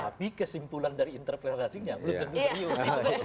tapi kesimpulan dari interpelasinya belum tentu serius